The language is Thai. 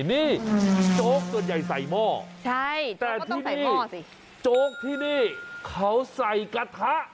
นี่โจ๊กส่วนใหญ่ใส่หม้อแต่ที่นี่โจ๊กที่นี่เขาใส่กระทะ